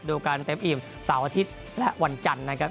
ดูกันเต็มอิ่มเสาร์อาทิตย์และวันจันทร์นะครับ